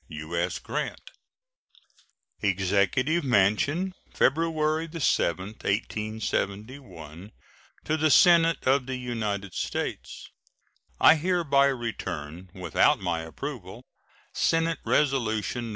U.S. GRANT. EXECUTIVE MANSION, February 7, 1871. To the Senate of the United States: I hereby return without my approval Senate resolution No.